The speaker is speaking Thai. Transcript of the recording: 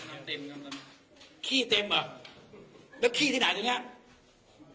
ห้องน้ำเต็มครับขี้เต็มอ่ะแล้วขี้ที่ไหนตัวเนี้ย